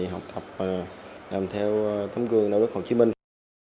học tập làm theo tấm gương đạo đức hồ chí minh